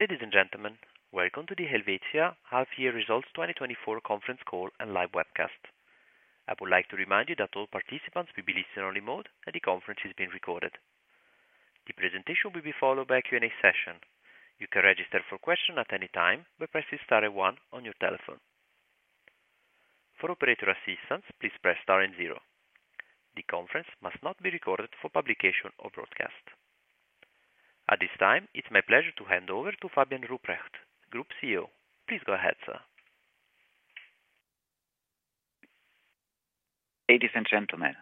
Ladies and gentlemen, welcome to the Helvetia Half Year Results 2024 conference call and live webcast. I would like to remind you that all participants will be in listen-only mode, and the conference is being recorded. The presentation will be followed by a Q&A session. You can register for questions at any time by pressing star and one on your telephone. For operator assistance, please press star and zero. The conference must not be recorded for publication or broadcast. At this time, it's my pleasure to hand over to Fabian Rupprecht, Group CEO. Please go ahead, sir. Ladies and gentlemen,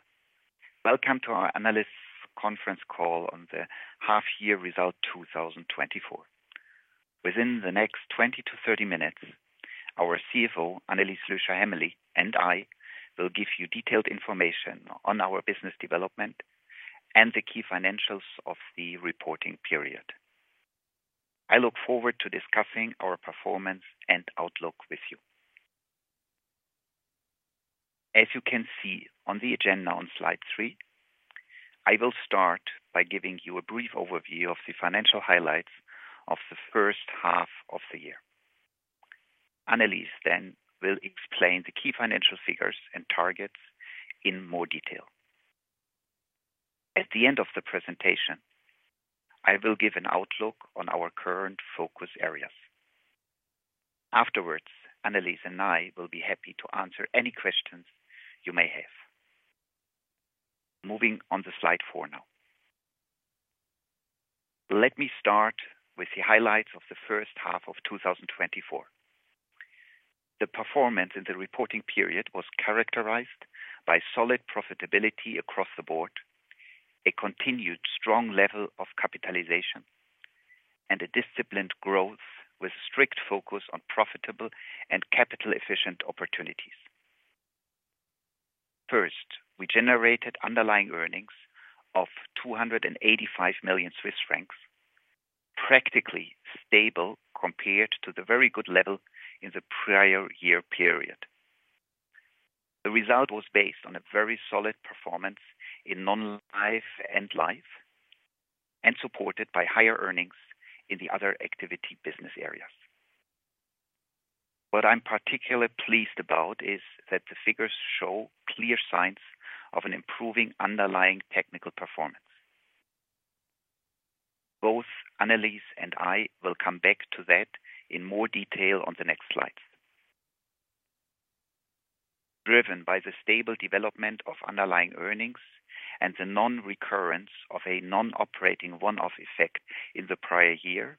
welcome to our analyst conference call on the half year result 2024. Within the next 20-30 minutes, our CFO, Annelies Lüscher Hämmerli, and I will give you detailed information on our business development and the key financials of the reporting period. I look forward to discussing our performance and outlook with you. As you can see on the agenda on slide three, I will start by giving you a brief overview of the financial highlights of the first half of the year. Annelies then will explain the key financial figures and targets in more detail. At the end of the presentation, I will give an outlook on our current focus areas. Afterwards, Annelies and I will be happy to answer any questions you may have. Moving on to slide four now. Let me start with the highlights of the first half of 2024. The performance in the reporting period was characterized by solid profitability across the board, a continued strong level of capitalization, and a disciplined growth with strict focus on profitable and capital-efficient opportunities. First, we generated underlying earnings of 285 million Swiss francs, practically stable compared to the very good level in the prior year period. The result was based on a very solid performance in non-life and life, and supported by higher earnings in the other activity business areas. What I'm particularly pleased about is that the figures show clear signs of an improving underlying technical performance. Both Annelies and I will come back to that in more detail on the next slides. Driven by the stable development of underlying earnings and the non-recurrence of a non-operating one-off effect in the prior year,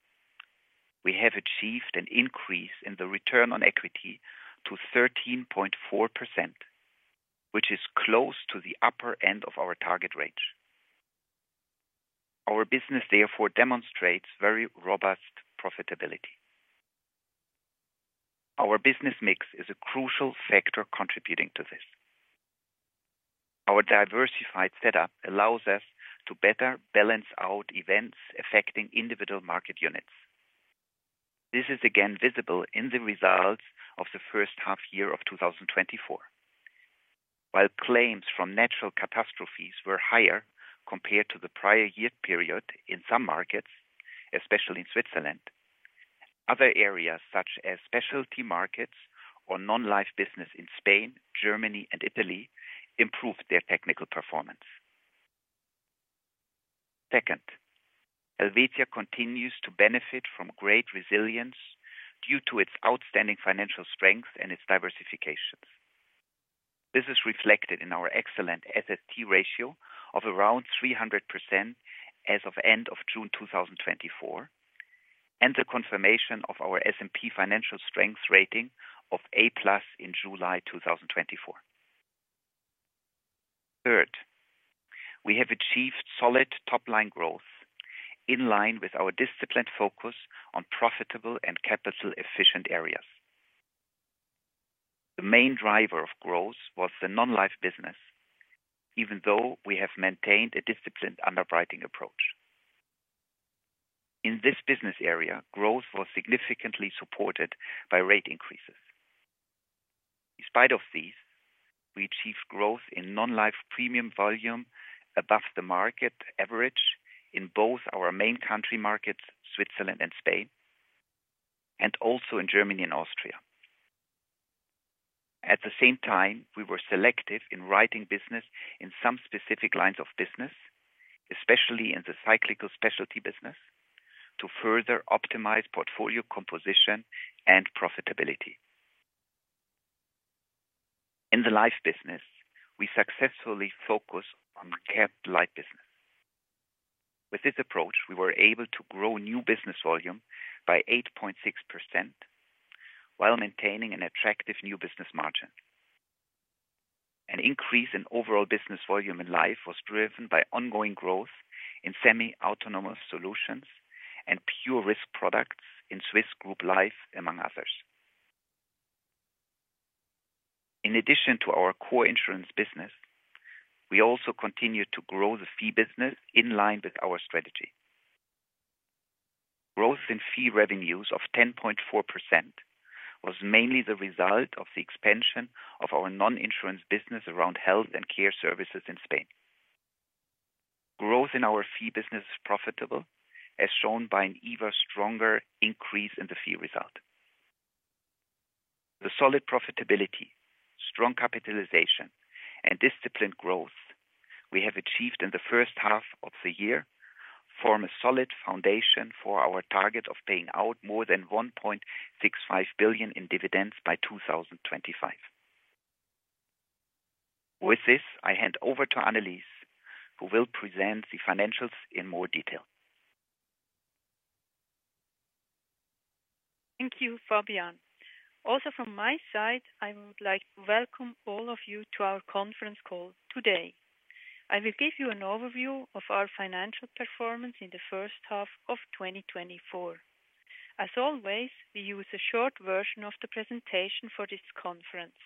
we have achieved an increase in the return on equity to 13.4%, which is close to the upper end of our target range. Our business therefore demonstrates very robust profitability. Our business mix is a crucial factor contributing to this. Our diversified setup allows us to better balance out events affecting individual market units. This is again visible in the results of the first half year of 2024. While claims from natural catastrophes were higher compared to the prior year period in some markets, especially in Switzerland, other areas such as specialty markets or non-life business in Spain, Germany, and Italy, improved their technical performance. Second, Helvetia continues to benefit from great resilience due to its outstanding financial strength and its diversifications. This is reflected in our excellent SST ratio of around 300% as of end of June 2024, and the confirmation of our S&P financial strength rating of A+ in July 2024. Third, we have achieved solid top-line growth in line with our disciplined focus on profitable and capital-efficient areas. The main driver of growth was the non-life business, even though we have maintained a disciplined underwriting approach. In this business area, growth was significantly supported by rate increases. In spite of these, we achieved growth in non-life premium volume above the market average in both our main country markets, Switzerland and Spain, and also in Germany and Austria. At the same time, we were selective in writing business in some specific lines of business, especially in the cyclical specialty business, to further optimize portfolio composition and profitability. In the life business, we successfully focus on capital-light business. With this approach, we were able to grow new business volume by 8.6% while maintaining an attractive new business margin. An increase in overall business volume in life was driven by ongoing growth in semi-autonomous solutions and pure risk products in Swiss Group Life, among others. In addition to our core insurance business, we also continued to grow the fee business in line with our strategy. Growth in fee revenues of 10.4% was mainly the result of the expansion of our non-insurance business around health and care services in Spain.... Growth in our fee business is profitable, as shown by an even stronger increase in the fee result. The solid profitability, strong capitalization, and disciplined growth we have achieved in the first half of the year form a solid foundation for our target of paying out more than 1.65 billion in dividends by 2025. With this, I hand over to Annelies, who will present the financials in more detail. Thank you, Fabian. Also from my side, I would like to welcome all of you to our conference call today. I will give you an overview of our financial performance in the first half of 2024. As always, we use a short version of the presentation for this conference.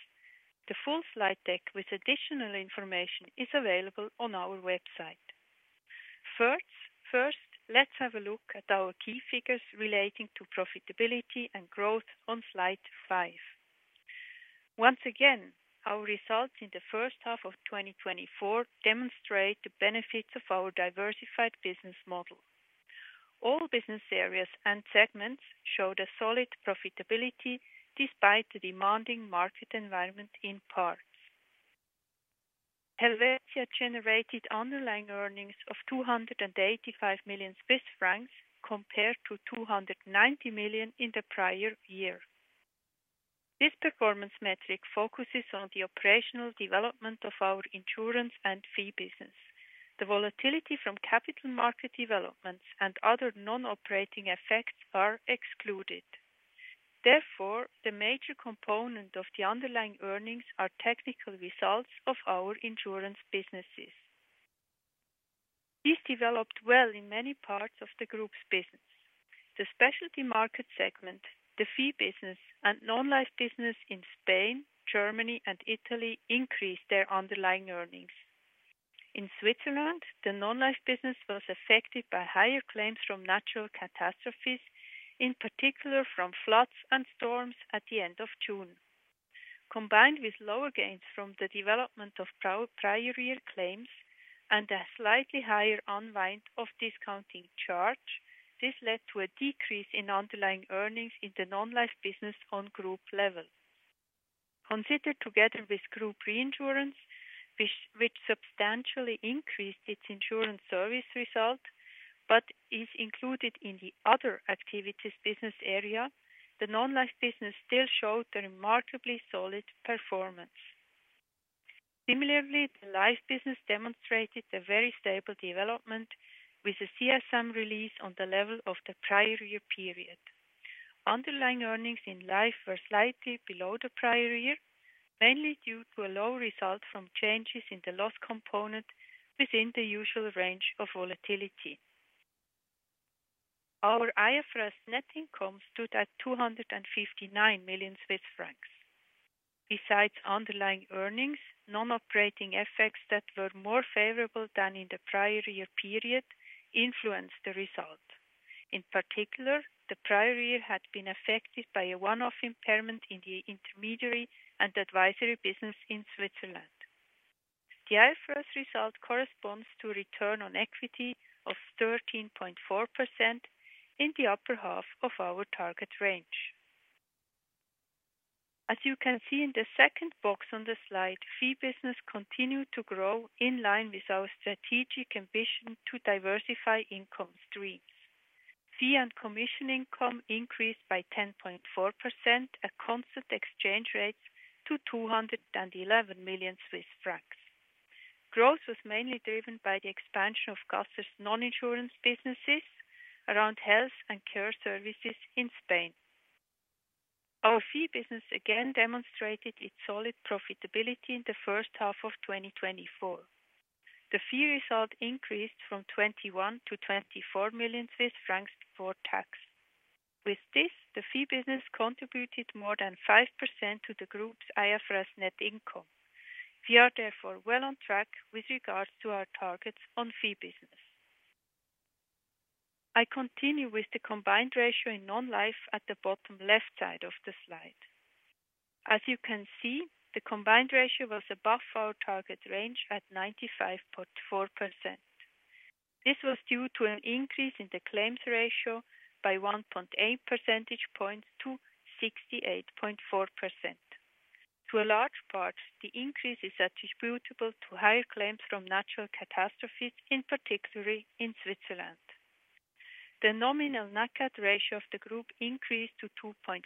The full slide deck with additional information is available on our website. First, let's have a look at our key figures relating to profitability and growth on slide 5. Once again, our results in the first half of 2024 demonstrate the benefits of our diversified business model. All business areas and segments showed a solid profitability despite the demanding market environment in parts. Helvetia generated underlying earnings of 285 million Swiss francs, compared to 290 million in the prior year. This performance metric focuses on the operational development of our insurance and fee business. The volatility from capital market developments and other non-operating effects are excluded. Therefore, the major component of the underlying earnings are technical results of our insurance businesses. These developed well in many parts of the group's business. The specialty market segment, the fee business, and non-life business in Spain, Germany, and Italy increased their underlying earnings. In Switzerland, the non-life business was affected by higher claims from natural catastrophes, in particular from floods and storms at the end of June. Combined with lower gains from the development of prior year claims and a slightly higher unwind of discounting charge, this led to a decrease in underlying earnings in the non-life business on group level. Considered together with group reinsurance, which substantially increased its insurance service result, but is included in the other activities business area, the non-life business still showed a remarkably solid performance. Similarly, the life business demonstrated a very stable development with a CSM release on the level of the prior year period. Underlying earnings in life were slightly below the prior year, mainly due to a low result from changes in the loss component within the usual range of volatility. Our IFRS net income stood at 259 million Swiss francs. Besides underlying earnings, non-operating effects that were more favorable than in the prior year period influenced the result. In particular, the prior year had been affected by a one-off impairment in the intermediary and advisory business in Switzerland. The IFRS result corresponds to a return on equity of 13.4% in the upper half of our target range. As you can see in the second box on the slide, fee business continued to grow in line with our strategic ambition to diversify income streams. Fee and commission income increased by 10.4% at constant exchange rates to 211 million Swiss francs. Growth was mainly driven by the expansion of Caser's non-insurance businesses around health and care services in Spain. Our fee business again demonstrated its solid profitability in the first half of 2024. The fee result increased from 21-24 million Swiss francs before tax. With this, the fee business contributed more than 5% to the group's IFRS net income. We are therefore well on track with regards to our targets on fee business. I continue with the combined ratio in non-life at the bottom left side of the slide. As you can see, the combined ratio was above our target range at 95.4%. This was due to an increase in the claims ratio by 1.8 percentage points to 68.4%. To a large part, the increase is attributable to higher claims from natural catastrophes, in particular in Switzerland. The nominal Nat Cat ratio of the group increased to 2.4%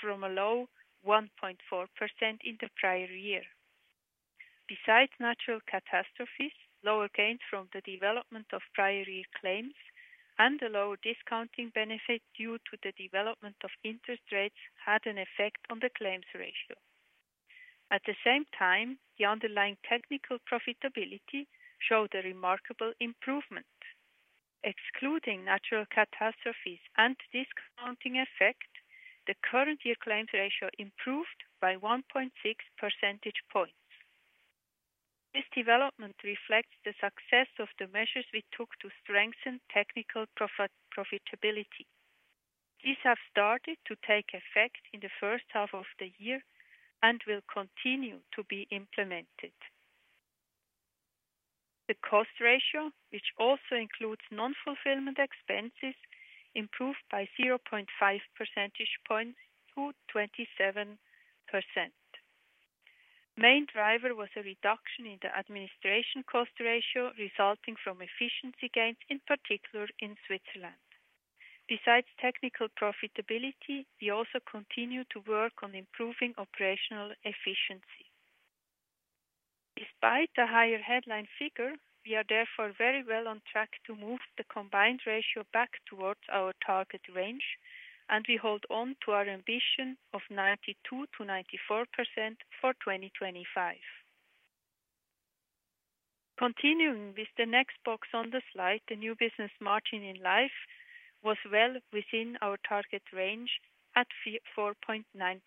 from a low 1.4% in the prior year. Besides natural catastrophes, lower gains from the development of prior year claims and a lower discounting benefit due to the development of interest rates had an effect on the claims ratio. At the same time, the underlying technical profitability showed a remarkable improvement. Excluding natural catastrophes and discounting effect, the current year claims ratio improved by 1.6 percentage points. This development reflects the success of the measures we took to strengthen technical profitability. These have started to take effect in the first half of the year and will continue to be implemented. The cost ratio, which also includes non-fulfillment expenses, improved by 0.5 percentage points to 27%. Main driver was a reduction in the administration cost ratio, resulting from efficiency gains, in particular in Switzerland. Besides technical profitability, we also continue to work on improving operational efficiency. Despite the higher headline figure, we are therefore very well on track to move the combined ratio back towards our target range, and we hold on to our ambition of 92%-94% for 2025. Continuing with the next box on the slide, the new business margin in life was well within our target range at 4.9%.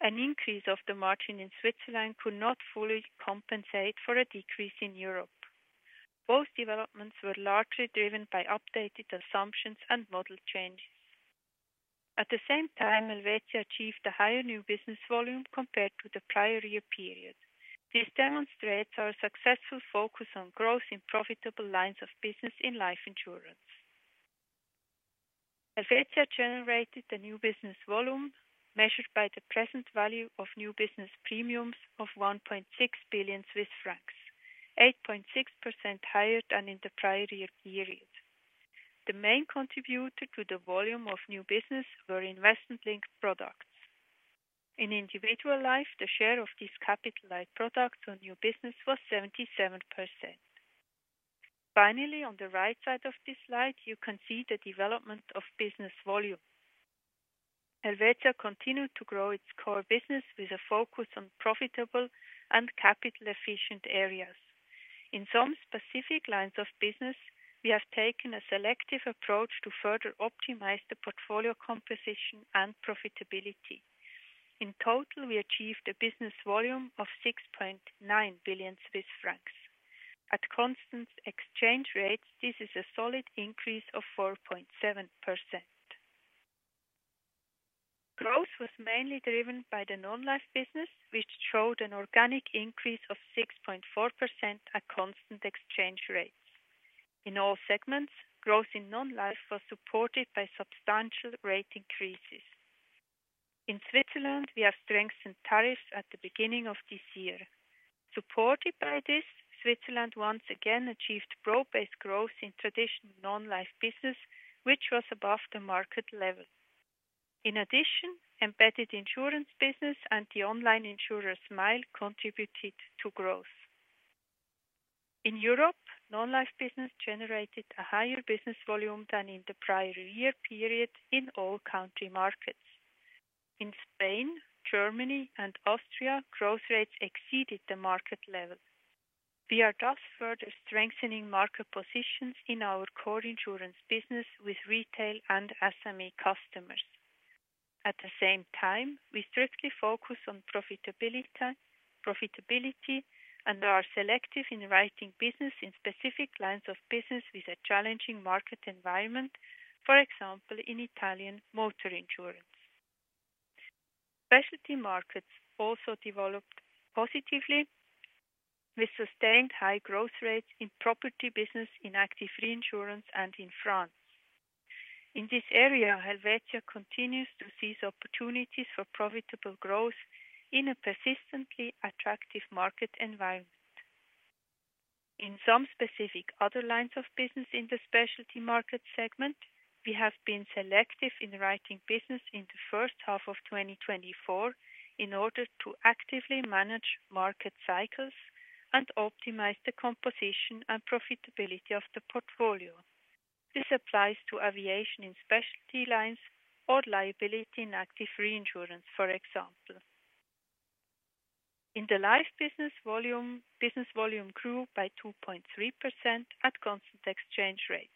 An increase of the margin in Switzerland could not fully compensate for a decrease in Europe. Both developments were largely driven by updated assumptions and model changes. At the same time, Helvetia achieved a higher new business volume compared to the prior year period. This demonstrates our successful focus on growth in profitable lines of business in life insurance. Helvetia generated a new business volume, measured by the present value of new business premiums of 1.6 billion Swiss francs, 8.6% higher than in the prior year period. The main contributor to the volume of new business were investment-linked products. In individual life, the share of these capital-light products on new business was 77%. Finally, on the right side of this slide, you can see the development of business volume. Helvetia continued to grow its core business with a focus on profitable and capital-efficient areas. In some specific lines of business, we have taken a selective approach to further optimize the portfolio composition and profitability. In total, we achieved a business volume of 6.9 billion Swiss francs. At constant exchange rates, this is a solid increase of 4.7%. Growth was mainly driven by the non-life business, which showed an organic increase of 6.4% at constant exchange rates. In all segments, growth in non-life was supported by substantial rate increases. In Switzerland, we have strengthened tariffs at the beginning of this year. Supported by this, Switzerland once again achieved broad-based growth in traditional non-life business, which was above the market level. In addition, embedded insurance business and the online insurer Smile contributed to growth. In Europe, non-life business generated a higher business volume than in the prior year period in all country markets. In Spain, Germany, and Austria, growth rates exceeded the market level. We are thus further strengthening market positions in our core insurance business with retail and SME customers. At the same time, we strictly focus on profitability, profitability, and are selective in writing business in specific lines of business with a challenging market environment, for example, in Italian motor insurance. Specialty Markets also developed positively with sustained high growth rates in property business, in Active Reinsurance, and in France. In this area, Helvetia continues to seize opportunities for profitable growth in a persistently attractive market environment. In some specific other lines of business in the specialty market segment, we have been selective in writing business in the first half of 2024 in order to actively manage market cycles and optimize the composition and profitability of the portfolio. This applies to aviation in specialty lines or liability in active reinsurance, for example. In the life business volume, business volume grew by 2.3% at constant exchange rates.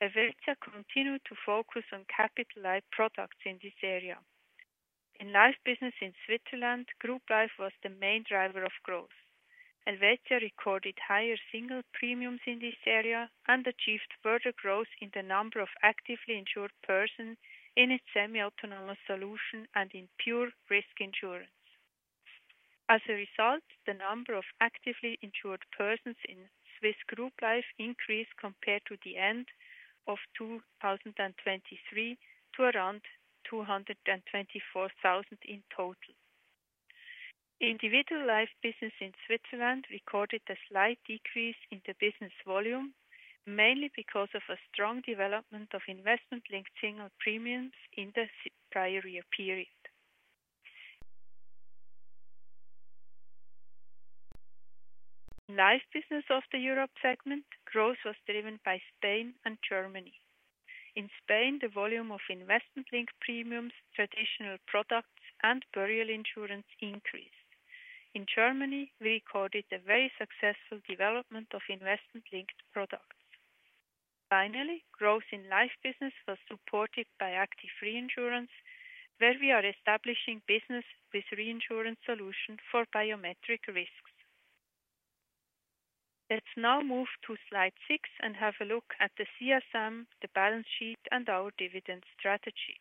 Helvetia continued to focus on capitalized products in this area. In life business in Switzerland, Group Life was the main driver of growth. Helvetia recorded higher single premiums in this area and achieved further growth in the number of actively insured persons in its semi-autonomous solution and in pure risk insurance. As a result, the number of actively insured persons in Swiss group life increased compared to the end of 2023 to around 224,000 in total. Individual life business in Switzerland recorded a slight decrease in the business volume, mainly because of a strong development of investment-linked single premiums in the prior year period. Life business of the Europe segment, growth was driven by Spain and Germany. In Spain, the volume of investment-linked premiums, traditional products, and burial insurance increased. In Germany, we recorded a very successful development of investment-linked products. Finally, growth in life business was supported by active reinsurance, where we are establishing business with reinsurance solution for biometric risks. Let's now move to slide six and have a look at the CSM, the balance sheet, and our dividend strategy.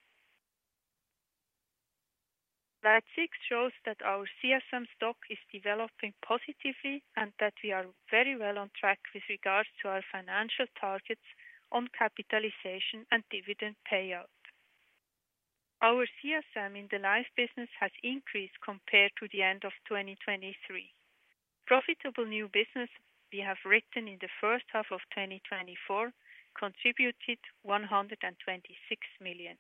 Slide 6 shows that our CSM stock is developing positively, and that we are very well on track with regards to our financial targets on capitalization and dividend payout. Our CSM in the life business has increased compared to the end of 2023. Profitable new business we have written in the first half of 2024 contributed 126 million.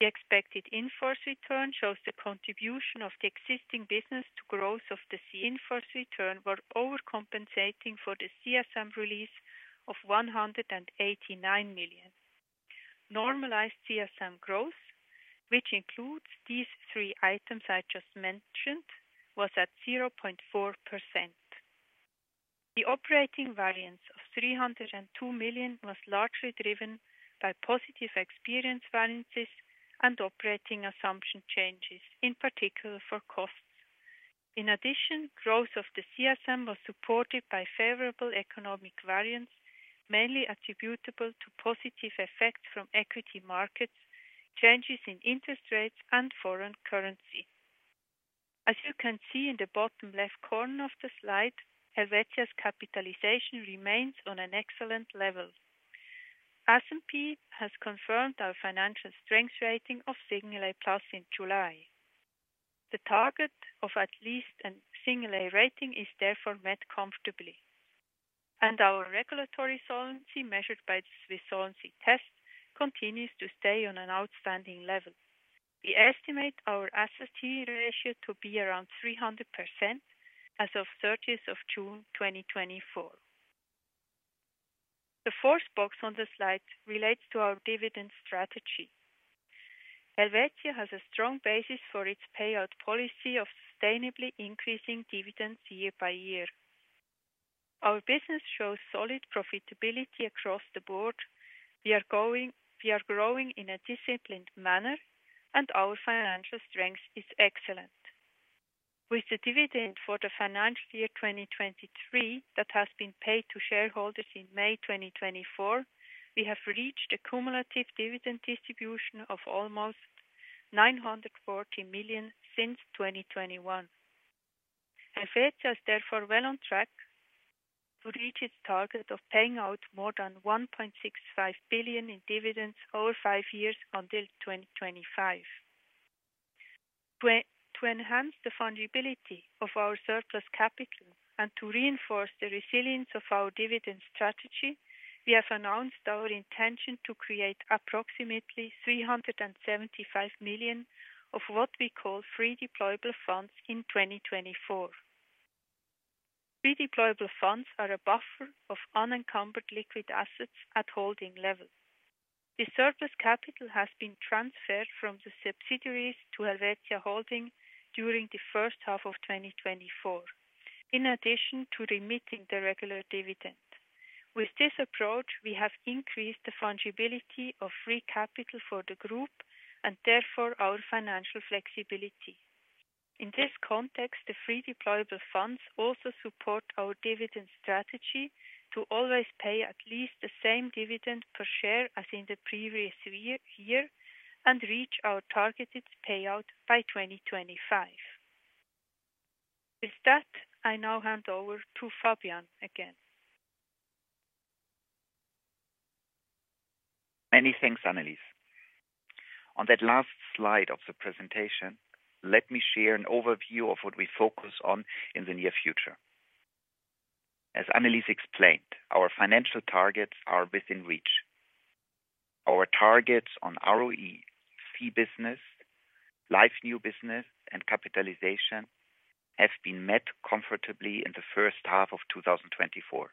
The expected in-force return shows the contribution of the existing business to growth of the in-force return, were overcompensating for the CSM release of 189 million. Normalized CSM growth, which includes these three items I just mentioned, was at 0.4%. The operating variance of 302 million was largely driven by positive experience variances and operating assumption changes, in particular for costs. In addition, growth of the CSM was supported by favorable economic variance, mainly attributable to positive effects from equity markets, changes in interest rates, and foreign currency. As you can see in the bottom left corner of the slide, Helvetia's capitalization remains on an excellent level. S&P has confirmed our financial strength rating of single A plus in July. The target of at least a single A rating is therefore met comfortably, and our regulatory solvency, measured by the Swiss Solvency Test, continues to stay on an outstanding level. We estimate our SST ratio to be around 300% as of thirtieth of June 2024. The fourth box on the slide relates to our dividend strategy. Helvetia has a strong basis for its payout policy of sustainably increasing dividends year by year. Our business shows solid profitability across the board. We are growing in a disciplined manner, and our financial strength is excellent. With the dividend for the financial year 2023, that has been paid to shareholders in May 2024, we have reached a cumulative dividend distribution of almost 940 million since 2021. Helvetia is therefore well on track to reach its target of paying out more than 1.65 billion in dividends over five years until 2025. To enhance the fungibility of our surplus capital and to reinforce the resilience of our dividend strategy, we have announced our intention to create approximately 375 million of what we call Free Deployable Funds in 2024. Free Deployable Funds are a buffer of unencumbered liquid assets at holding level. The surplus capital has been transferred from the subsidiaries to Helvetia Holding during the first half of 2024, in addition to remitting the regular dividend. With this approach, we have increased the fungibility of free capital for the group and therefore our financial flexibility. In this context, the free deployable funds also support our dividend strategy to always pay at least the same dividend per share as in the previous year and reach our targeted payout by 2025. With that, I now hand over to Fabian again. Many thanks, Annelies. On that last slide of the presentation, let me share an overview of what we focus on in the near future. As Annelies explained, our financial targets are within reach. Our targets on ROE fee business, life new business, and capitalization have been met comfortably in the first half of 2024.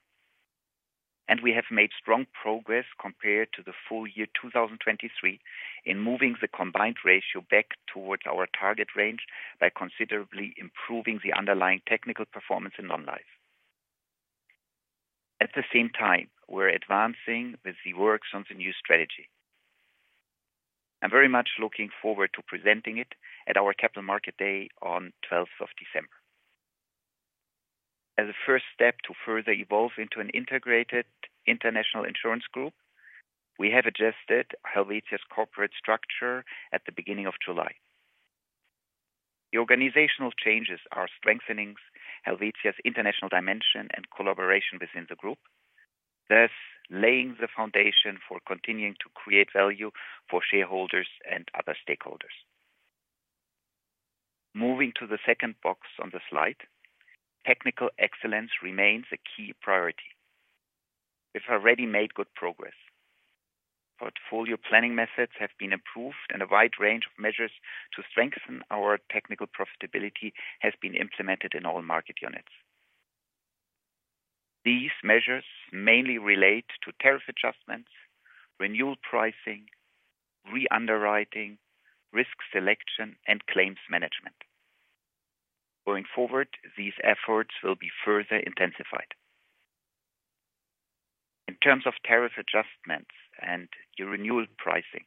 And we have made strong progress compared to the full year 2023 in moving the combined ratio back towards our target range by considerably improving the underlying technical performance in non-life. At the same time, we're advancing with the works on the new strategy. I'm very much looking forward to presenting it at our Capital Market Day on 12th of December. As a first step to further evolve into an integrated international insurance group, we have adjusted Helvetia's corporate structure at the beginning of July. The organizational changes are strengthening Helvetia's international dimension and collaboration within the group, thus laying the foundation for continuing to create value for shareholders and other stakeholders. Moving to the second box on the slide, technical excellence remains a key priority. We've already made good progress. Portfolio planning methods have been improved, and a wide range of measures to strengthen our technical profitability has been implemented in all market units. These measures mainly relate to tariff adjustments, renewal pricing, re-underwriting, risk selection, and claims management. Going forward, these efforts will be further intensified. In terms of tariff adjustments and your renewal pricing,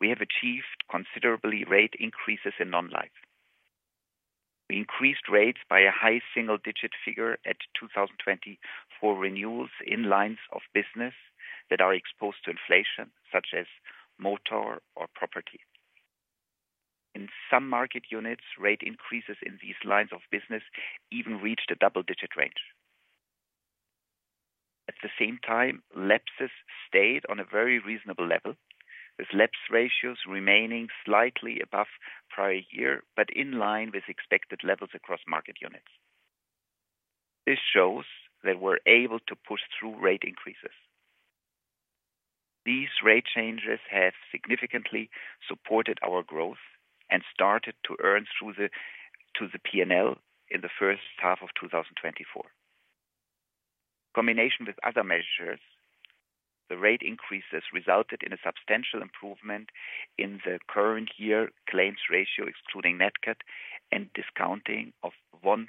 we have achieved considerably rate increases in non-life. We increased rates by a high single-digit figure in 2020 for renewals in lines of business that are exposed to inflation, such as motor or property. In some market units, rate increases in these lines of business even reached a double-digit range. At the same time, lapses stayed on a very reasonable level, with lapse ratios remaining slightly above prior year, but in line with expected levels across market units. This shows that we're able to push through rate increases. These rate changes have significantly supported our growth and started to earn through to the P&L in the first half of 2024. In combination with other measures, the rate increases resulted in a substantial improvement in the current year claims ratio, excluding Nat Cat and discounting of 1.6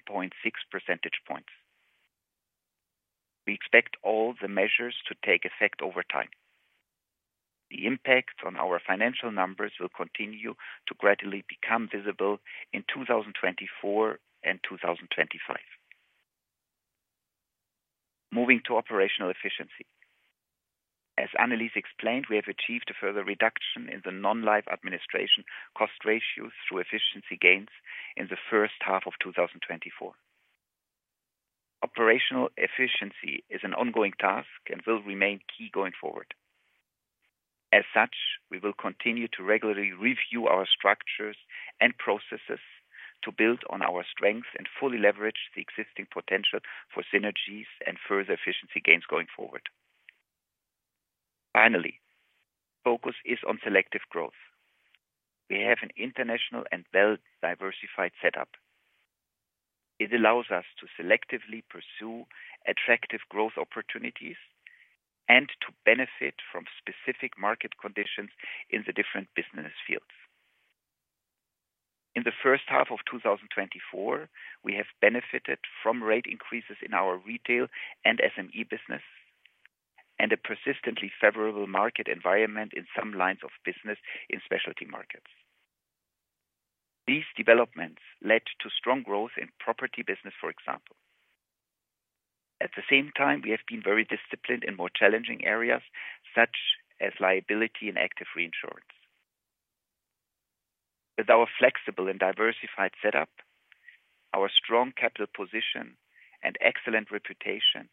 percentage points. We expect all the measures to take effect over time. The impact on our financial numbers will continue to gradually become visible in 2024 and 2025. Moving to operational efficiency. As Annelies explained, we have achieved a further reduction in the non-life administration cost ratio through efficiency gains in the first half of 2024. Operational efficiency is an ongoing task and will remain key going forward. As such, we will continue to regularly review our structures and processes to build on our strengths and fully leverage the existing potential for synergies and further efficiency gains going forward. Finally, focus is on selective growth. We have an international and well-diversified setup. It allows us to selectively pursue attractive growth opportunities and to benefit from specific market conditions in the different business fields. In the first half of 2024, we have benefited from rate increases in our retail and SME business, and a persistently favorable market environment in some lines of business in specialty markets. These developments led to strong growth in property business, for example. At the same time, we have been very disciplined in more challenging areas, such as liability and active reinsurance. With our flexible and diversified setup, our strong capital position and excellent reputation,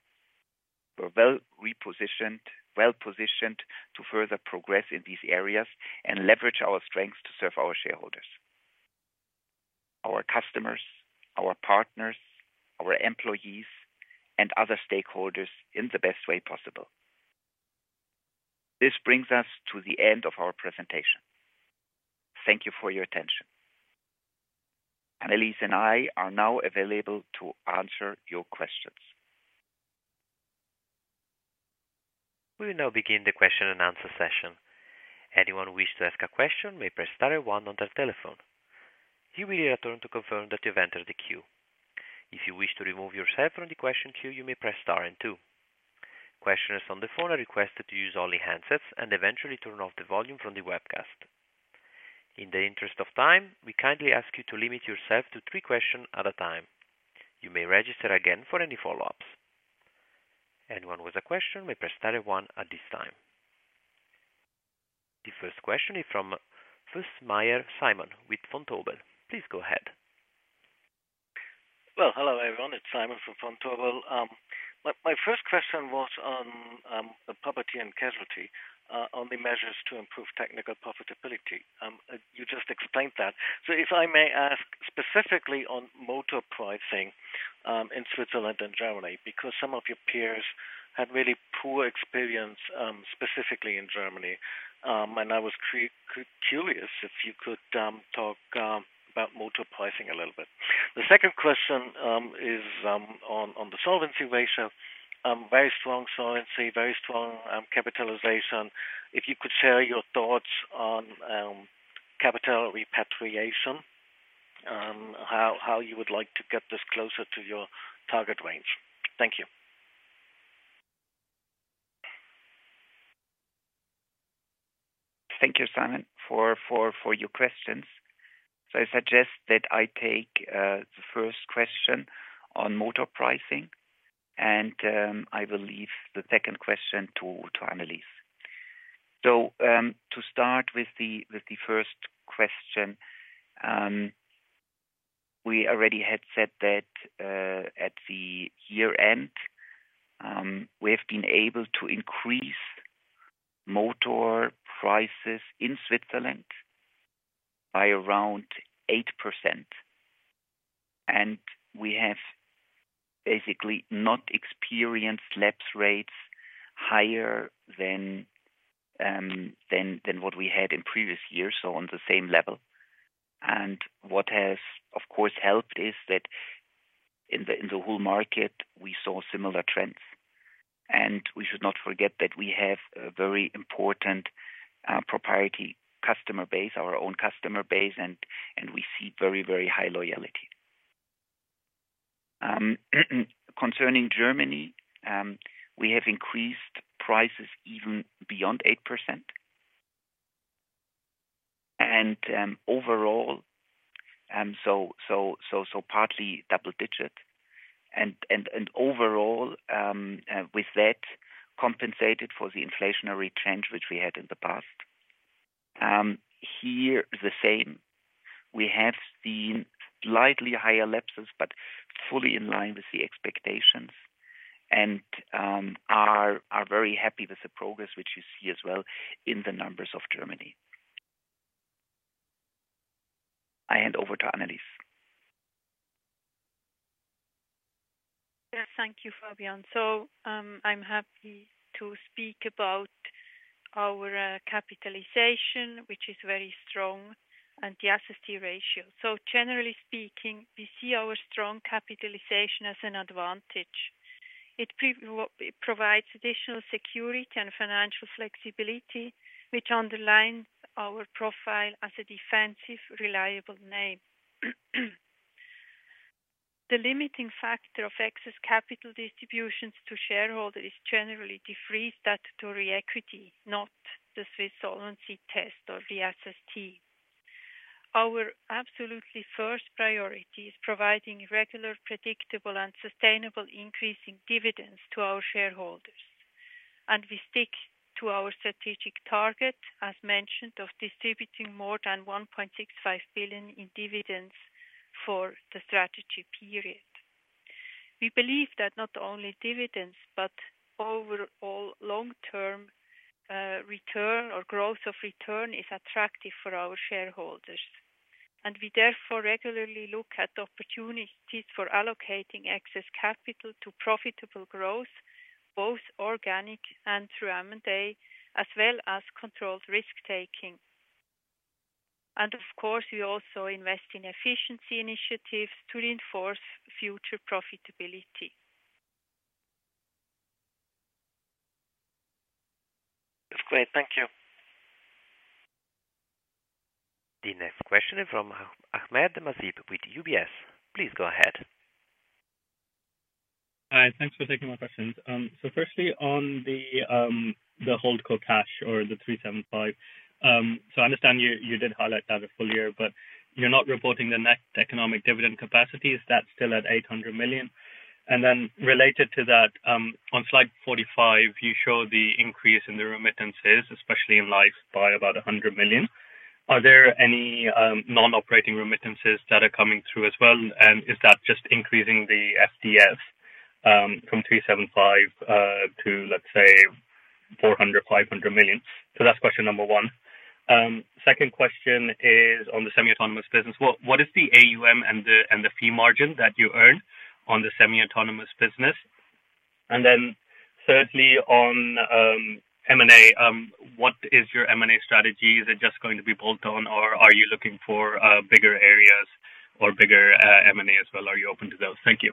we're well repositioned, well-positioned to further progress in these areas and leverage our strengths to serve our shareholders, our customers, our partners, our employees, and other stakeholders in the best way possible. This brings us to the end of our presentation. Thank you for your attention. Annelies and I are now available to answer your questions. We will now begin the question and answer session. Anyone who wish to ask a question may press star one on their telephone. You will hear a tone to confirm that you've entered the queue. If you wish to remove yourself from the question queue, you may press star and two. Questioners on the phone are requested to use only handsets and eventually turn off the volume from the webcast. In the interest of time, we kindly ask you to limit yourself to three questions at a time. You may register again for any follow-ups. Anyone with a question may press star one at this time. The first question is from Simon Fössmeier with Vontobel. Please go ahead. Hello, everyone. It's Simon from Vontobel. My first question was on the property and casualty, on the measures to improve technical profitability. You just explained that. So if I may ask specifically on motor pricing in Switzerland and Germany, because some of your peers had really poor experience, specifically in Germany. And I was curious if you could talk about motor pricing a little bit. The second question is on the solvency ratio. Very strong solvency, very strong capitalization. If you could share your thoughts on capital repatriation, how you would like to get this closer to your target range? Thank you. Thank you, Simon, for your questions. I suggest that I take the first question on motor pricing, and I will leave the second question to Annelies. To start with the first question, we already had said that at the year-end, we have been able to increase motor prices in Switzerland by around 8%, and we have basically not experienced lapse rates higher than what we had in previous years, so on the same level. And what has, of course, helped is that in the whole market, we saw similar trends. And we should not forget that we have a very important proprietary customer base, our own customer base, and we see very, very high loyalty.... Concerning Germany, we have increased prices even beyond 8%. Overall, so partly double digit. Overall, with that compensated for the inflationary trends which we had in the past. Here, the same, we have seen slightly higher lapses, but fully in line with the expectations and are very happy with the progress, which you see as well in the numbers of Germany. I hand over to Annelies. Yeah, thank you, Fabian. So, I'm happy to speak about our capitalization, which is very strong, and the SST ratio. So generally speaking, we see our strong capitalization as an advantage. It provides additional security and financial flexibility, which underlines our profile as a defensive, reliable name. The limiting factor of excess capital distributions to shareholders is generally the free statutory equity, not the Swiss Solvency Test or the SST. Our absolutely first priority is providing regular, predictable, and sustainable increase in dividends to our shareholders. And we stick to our strategic target, as mentioned, of distributing more than 1.65 billion in dividends for the strategy period. We believe that not only dividends, but overall long-term return or growth of return is attractive for our shareholders. We therefore regularly look at opportunities for allocating excess capital to profitable growth, both organic and through M&A, as well as controlled risk-taking. Of course, we also invest in efficiency initiatives to reinforce future profitability. That's great. Thank you. The next question is from Ahmed Muneeb with UBS. Please go ahead. Hi, thanks for taking my questions. So firstly, on the holdco cash or the 375 million. So I understand you did highlight that a full year, but you're not reporting the net economic dividend capacity. Is that still at 800 million? And then related to that, on slide 45, you show the increase in the remittances, especially in life, by about 100 million. Are there any non-operating remittances that are coming through as well? And is that just increasing the FDS from 375 million to, let's say, 400-500 million? So that's question number one. Second question is on the semi-autonomous business. What is the AUM and the fee margin that you earn on the semi-autonomous business? And then thirdly, on M&A. What is your M&A strategy? Is it just going to be bolt-on, or are you looking for bigger areas or bigger M&A as well? Are you open to those? Thank you.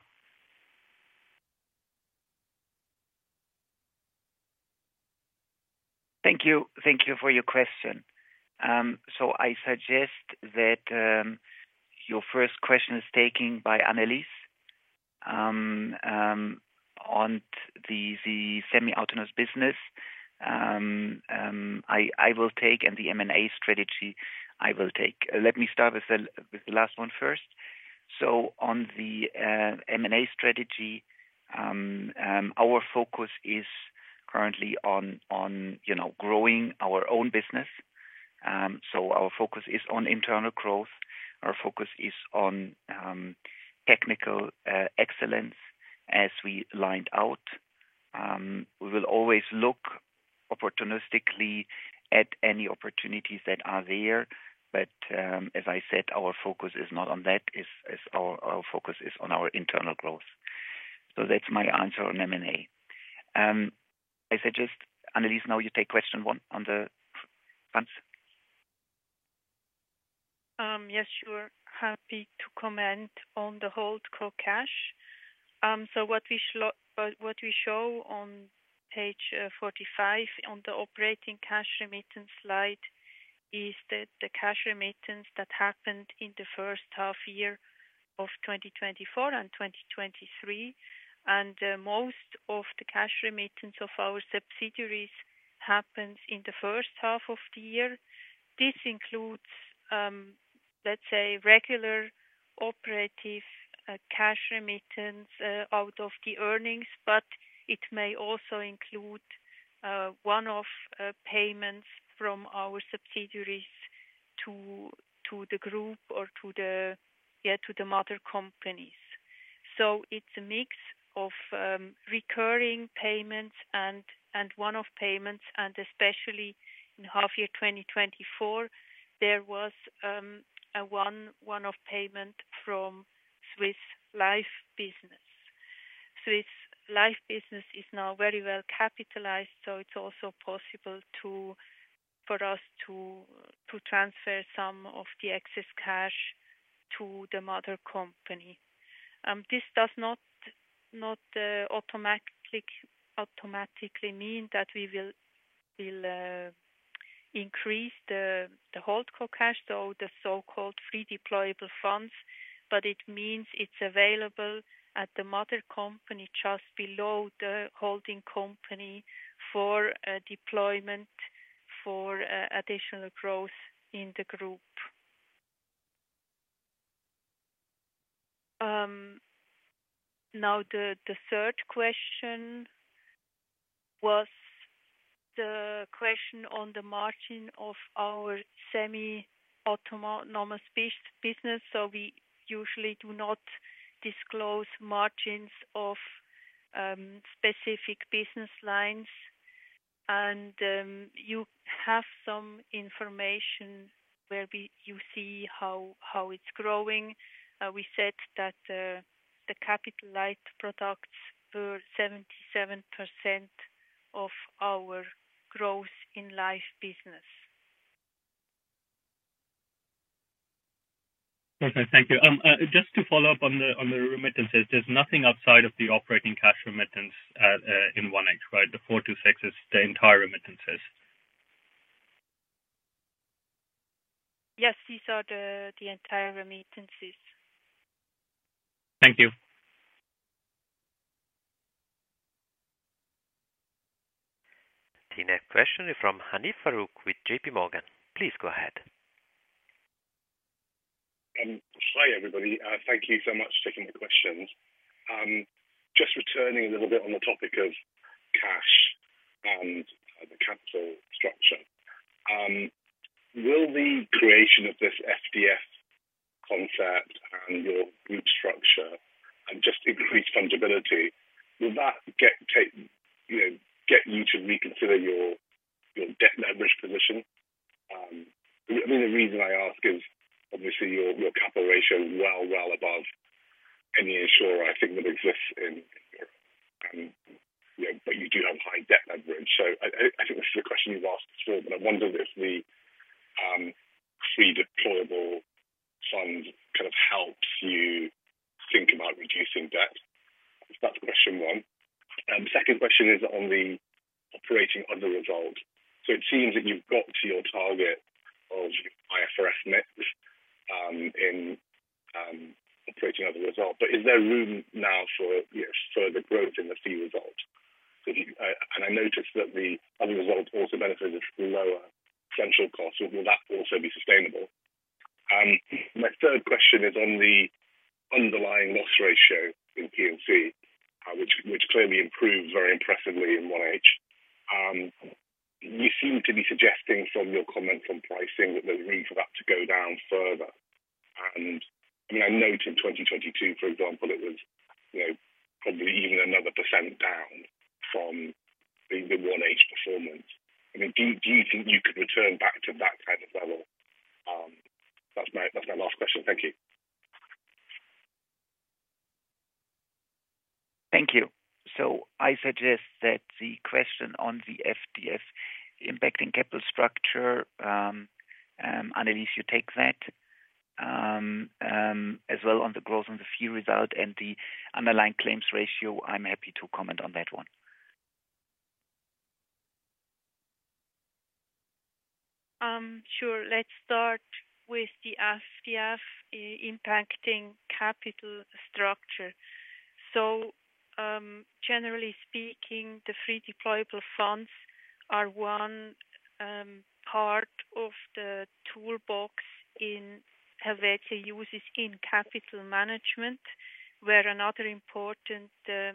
Thank you. Thank you for your question. So I suggest that your first question is taken by Annelies. On the semi-autonomous business, I will take, and the M&A strategy, I will take. Let me start with the last one first. So on the M&A strategy, our focus is currently on you know, growing our own business. So our focus is on internal growth. Our focus is on technical excellence, as we laid out. We will always look opportunistically at any opportunities that are there, but as I said, our focus is not on that, our focus is on our internal growth. So that's my answer on M&A. I suggest, Annelies, now you take question one on the funds. Yes, sure. Happy to comment on the holdco cash. So what we show on page 45 on the operating cash remittance slide is that the cash remittance that happened in the first half of 2024 and 2023, and most of the cash remittance of our subsidiaries happens in the first half of the year. This includes, let's say, regular operative cash remittance out of the earnings, but it may also include one-off payments from our subsidiaries to the group or to the, yeah, to the mother companies. So it's a mix of recurring payments and one-off payments, and especially in half year 2024, there was a one-off payment from Swiss Life business. Swiss life business is now very well capitalized, so it's also possible for us to transfer some of the excess cash to the mother company. This does not automatically mean that we will increase the holdco cash, so the so-called free deployable funds, but it means it's available at the mother company just below the holding company for deployment for additional growth in the group. Now, the third question was the question on the margin of our semi-autonomous solutions. So we usually do not disclose margins of specific business lines. And you have some information where you see how it's growing. We said that the capital light products were 77% of our growth in life business. Okay, thank you. Just to follow up on the remittances, there's nothing outside of the operating cash remittance in 1Q, right? The 4-6 is the entire remittances. Yes, these are the entire remittances. Thank you. The next question is from Hanif Farooq with J.P. Morgan. Please go ahead. Hi, everybody. Thank you so much for taking the questions. Just returning a little bit on the topic of cash and the capital structure. Will the creation of this FDF concept and your group structure and just increase fungibility, will that get, you know, get you to reconsider your debt leverage position? I mean, the reason I ask is obviously your capital ratio well above any insurer, I think, that exists in you know, but you do have high debt leverage. So I think this is a question you've asked before, but I wonder if the free deployable funds kind of helps you think about reducing debt? That's question one. The second question is on the operating other result. So it seems that you've got to your target of IFRS mix in operating other result. But is there room now for, you know, further growth in the fee result? And I noticed that the other result also benefited from lower central costs. Will that also be sustainable? My third question is on the underlying loss ratio in P&C, which clearly improved very impressively in 1H. You seem to be suggesting from your comment from pricing, that there's room for that to go down further. And, I mean, I note in 2022, for example, it was, you know, probably even another % down from the 1H performance. I mean, do you think you could return back to that kind of level? That's my last question. Thank you. Thank you. So I suggest that the question on the FDF impacting capital structure, Annelies, you take that. As well on the growth on the fee result and the underlying claims ratio, I'm happy to comment on that one. Sure. Let's start with the FDF, impacting capital structure. Generally speaking, the free deployable funds are one part of the toolbox in Helvetia uses in capital management, where another important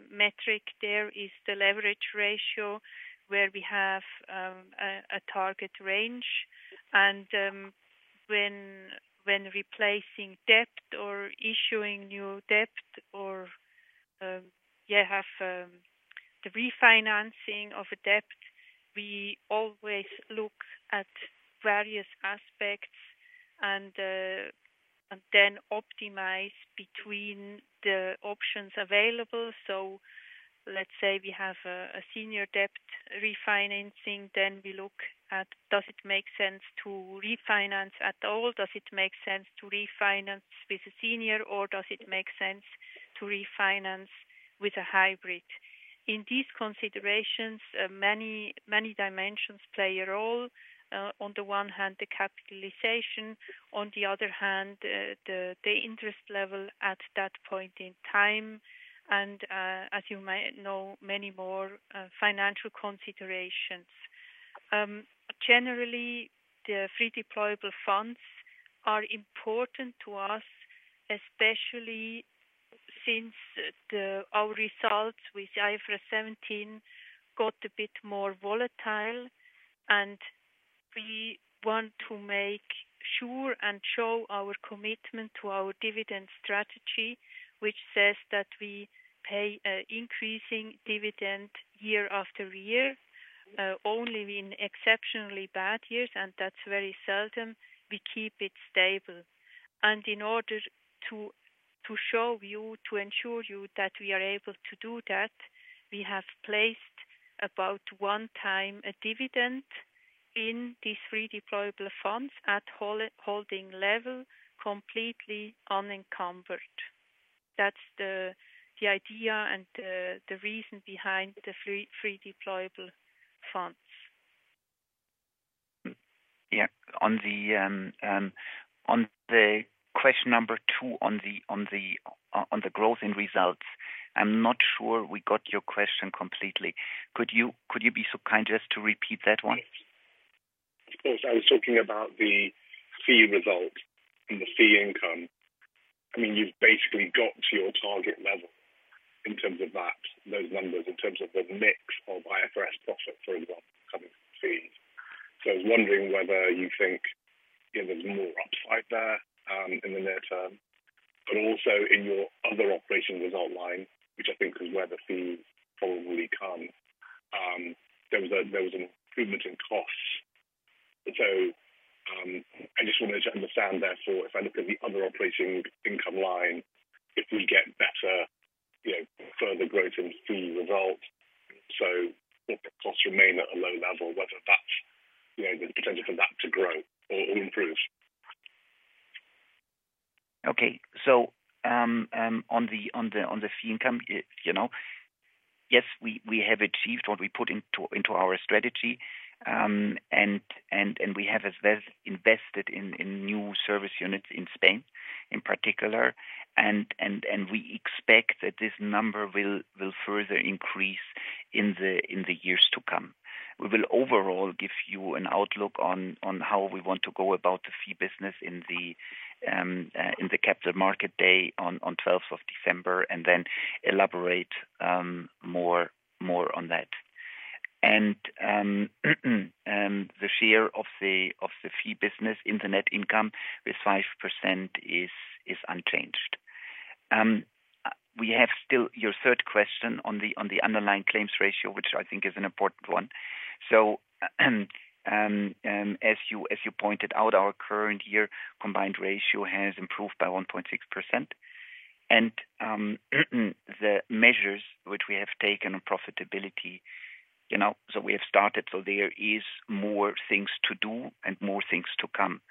metric there is the leverage ratio, where we have a target range. When replacing debt or issuing new debt or you have the refinancing of a debt, we always look at various aspects and then optimize between the options available. Let's say we have a senior debt refinancing, then we look at: does it make sense to refinance at all? Does it make sense to refinance with a senior, or does it make sense to refinance with a hybrid? In these considerations, many dimensions play a role. On the one hand, the capitalization, on the other hand, the interest level at that point in time, and, as you might know, many more financial considerations. Generally, the free deployable funds are important to us, especially since our results with IFRS 17 got a bit more volatile, and we want to make sure and show our commitment to our dividend strategy, which says that we pay increasing dividend year after year. Only in exceptionally bad years, and that's very seldom, we keep it stable. And in order to show you, to ensure you that we are able to do that, we have placed about one time a dividend in these free deployable funds at holding level, completely unencumbered. That's the idea and the reason behind the free deployable funds. Yeah. On the question number two, on the growth in results. I'm not sure we got your question completely. Could you be so kind just to repeat that one? Of course. I was talking about the fee results and the fee income. I mean, you've basically got to your target level in terms of that, those numbers, in terms of the mix of IFRS profit, for example, coming from fees. So I was wondering whether you think there was more upside there in the near term, but also in your other operating result line, which I think is where the fees probably come. There was an improvement in costs, so I just wanted to understand, therefore, if I look at the other operating income line, if we get better, you know, further growth in fee results, so if the costs remain at a low level, whether that's, you know, the potential for that to grow or improve. Okay. On the fee income, you know, yes, we have achieved what we put into our strategy. We have as well invested in new service units in Spain in particular. We expect that this number will further increase in the years to come. We will overall give you an outlook on how we want to go about the fee business in the Capital Market Day on 12th of December, and then elaborate more on that. The share of the fee business, interest income with 5% is unchanged. We have still your third question on the underlying claims ratio, which I think is an important one. As you pointed out, our current year combined ratio has improved by 1.6%. The measures which we have taken on profitability, you know, so we have started, so there is more things to do and more things to come.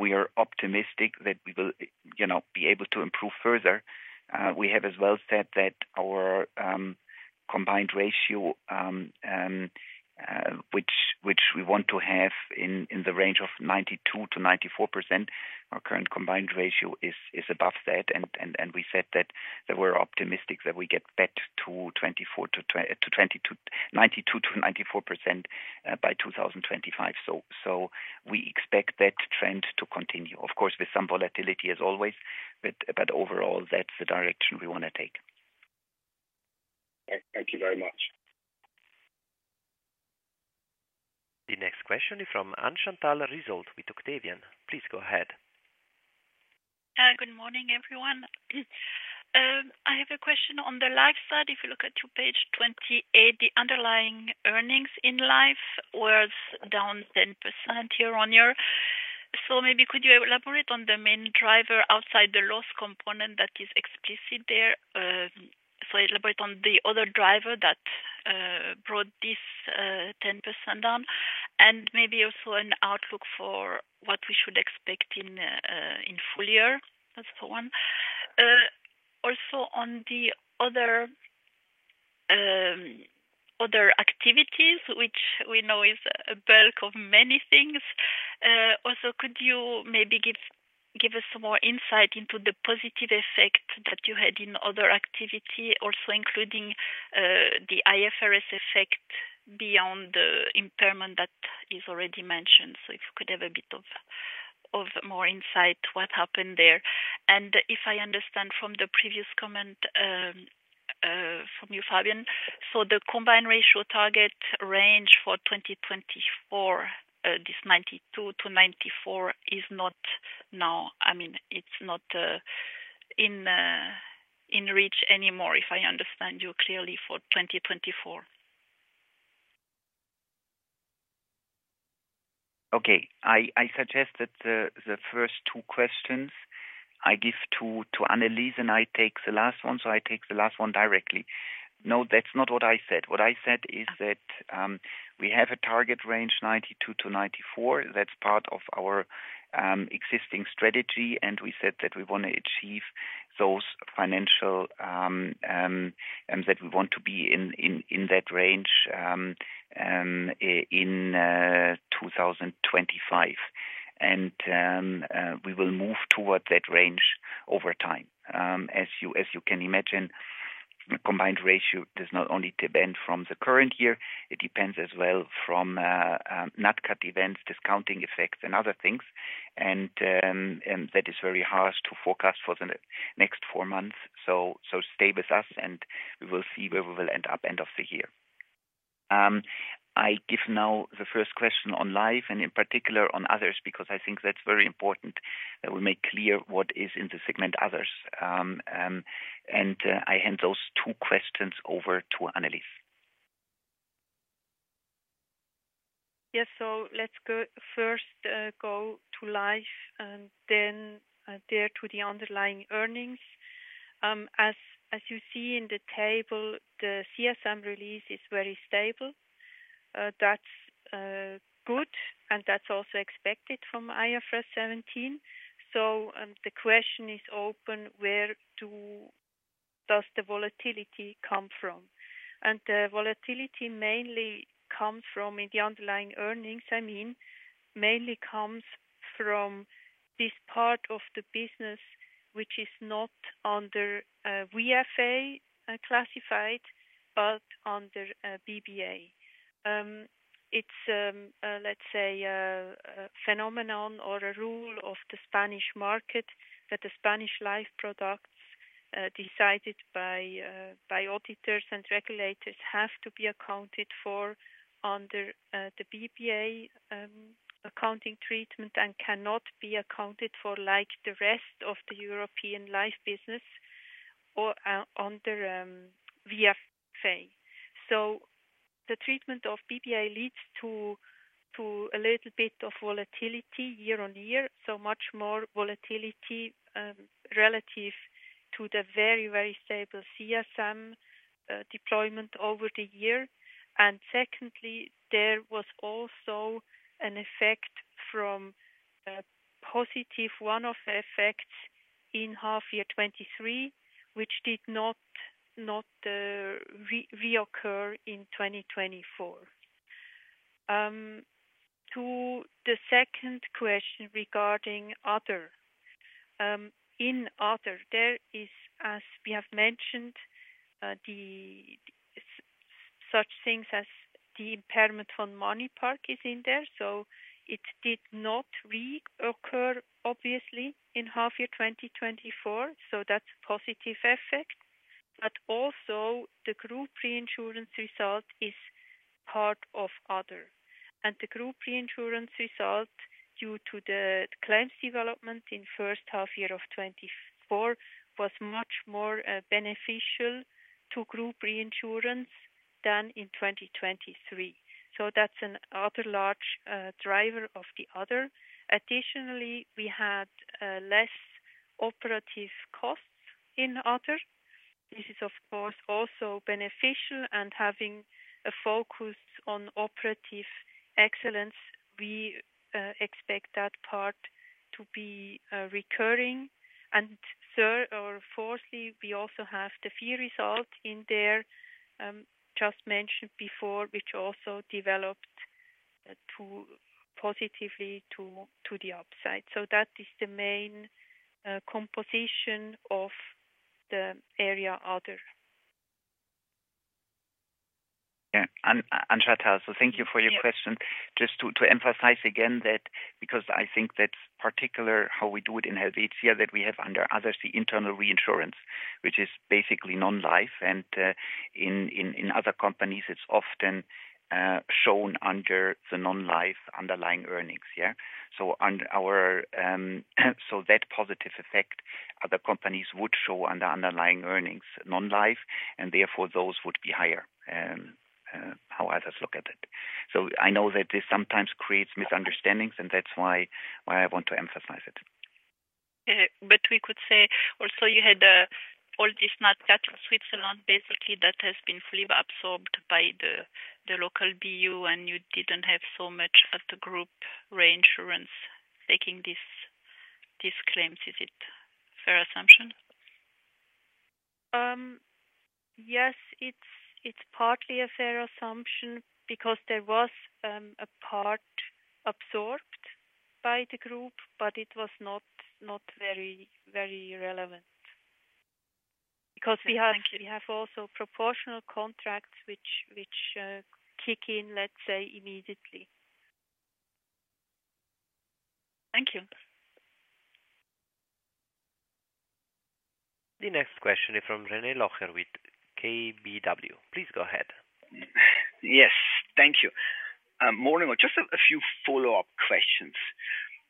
We are optimistic that we will, you know, be able to improve further. We have as well said that our combined ratio, which we want to have in the range of 92%-94%. Our current combined ratio is above that. We said that we're optimistic that we get back to 92%-94% by 2025. So, we expect that trend to continue, of course, with some volatility as always, but overall, that's the direction we want to take. Thank you very much. The next question is from Anne-Chantal Berset with Octavian. Please go ahead. Good morning, everyone. I have a question on the life side. If you look at your page 28, the underlying earnings in life was down 10% year on year. So maybe could you elaborate on the main driver outside the loss component that is explicit there? So elaborate on the other driver that brought this 10% down, and maybe also an outlook for what we should expect in full year, and so on. Also on the other activities, which we know is a bulk of many things, also, could you maybe give us some more insight into the positive effect that you had in other activity, also including the IFRS effect beyond the impairment that is already mentioned? So if you could have a bit of more insight, what happened there. If I understand from the previous comment from you, Fabian, so the combined ratio target range for 2024, this 92%-94%, is not now. I mean, it's not in reach anymore, if I understand you clearly, for 2024. Okay. I suggest that the first two questions I give to Annelies, and I take the last one. So I take the last one directly. No, that's not what I said. What I said is that we have a target range, 92-94. That's part of our existing strategy, and we said that we want to achieve those financial, and that we want to be in that range in 2025. We will move towards that range over time. As you can imagine, combined ratio does not only depend from the current year, it depends as well from Nat Cat events, discounting effects and other things. And that is very hard to forecast for the next four months. Stay with us and we will see where we will end up end of the year. I give now the first question on life and in particular on others, because I think that's very important, that we make clear what is in the segment others. I hand those two questions over to Annelies. Yes. So let's go first go to life and then there to the underlying earnings. As you see in the table, the CSM release is very stable. That's good, and that's also expected from IFRS 17. So the question is open, where does the volatility come from? And the volatility mainly comes from, in the underlying earnings, I mean, mainly comes from this part of the business, which is not under VFA classified, but under BBA. It's let's say a phenomenon or a rule of the Spanish market, that the Spanish life products decided by auditors and regulators, have to be accounted for under the BBA accounting treatment, and cannot be accounted for, like the rest of the European life business or under VFA. So the treatment of BBA leads to a little bit of volatility year on year, so much more volatility relative to the very stable CSM deployment over the year. And secondly, there was also an effect from a positive one-off effect in half year 2023, which did not reoccur in 2024. To the second question regarding other. In other, there is, as we have mentioned, such things as the impairment on MoneyPark is in there, so it did not reoccur, obviously, in half year 2024, so that's a positive effect. But also, the group reinsurance result is part of other, and the group reinsurance result, due to the claims development in first half year of 2024, was much more beneficial to group reinsurance than in 2023. That's another large driver of the other. Additionally, we had less operating costs in other. This is, of course, also beneficial, and having a focus on operating excellence, we expect that part to be recurring. Third or fourthly, we also have the fee result in there, just mentioned before, which also developed positively to the upside. That is the main composition of the area other. Yeah, and Chantal, so thank you for your question. Just to emphasize again that, because I think that's particular how we do it in Helvetia, that we have under other, the internal reinsurance. Which is basically non-life, in other companies, it's often shown under the non-life underlying earnings, yeah? So under our, so that positive effect other companies would show under underlying earnings, non-life, and therefore, those would be higher, how others look at it. So I know that this sometimes creates misunderstandings, and that's why I want to emphasize it. But we could say, also, you had all this Nat Cat Switzerland, basically, that has been fully absorbed by the local BU, and you didn't have so much at the group reinsurance taking these claims. Is it fair assumption? Yes, it's partly a fair assumption because there was a part absorbed by the group, but it was not very relevant. Because we have- Thank you. We have also proportional contracts, which kick in, let's say, immediately. Thank you. The next question is from René Locher with KBW. Please go ahead. Yes, thank you. Morning. Just a few follow-up questions.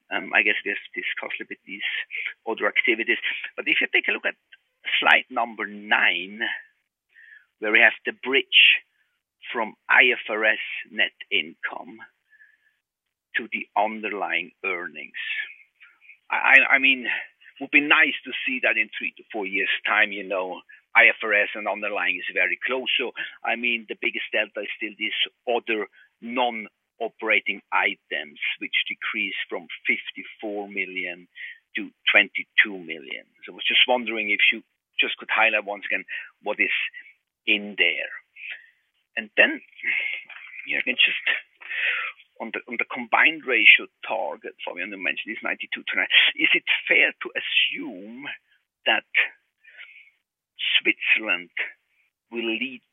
I guess, we've discussed a bit these other activities. But if you take a look at slide number 9, where we have the bridge from IFRS net income to the underlying earnings. I mean, it would be nice to see that in three to four years' time, you know, IFRS and underlying is very close. So, I mean, the biggest delta is still this other non-operating items, which decreased from 54 million to 22 million. So I was just wondering if you just could highlight once again, what is in there. And then, yeah, on the combined ratio target, Fabian, you mentioned is 92%-94%. Is it fair to assume that Switzerland will lead